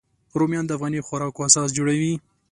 رومیان د افغاني خوراکو اساس جوړوي